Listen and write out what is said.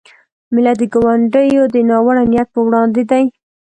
ملت د ګاونډیو د ناوړه نیت په وړاندې دی.